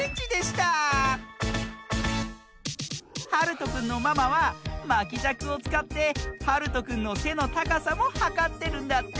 はるとくんのママはまきじゃくをつかってはるとくんのせのたかさもはかってるんだって。